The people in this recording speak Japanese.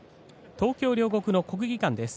東京両国の国技館です。